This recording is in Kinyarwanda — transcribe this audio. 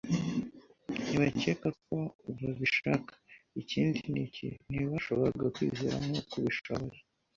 ntibakeka ko babishaka; ikindi ni iki, ntibashoboraga kwizera nk'uko ubishoboye. ”